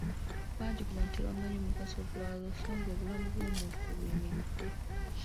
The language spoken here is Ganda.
Bangi ku bantu tebamanyi mugaso gwazo so ng’obulamu bw’omuntu kwe buyimiridde.